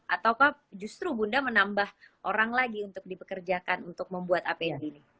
ataukah justru bunda menambah orang lagi untuk dipekerjakan untuk membuat apd ini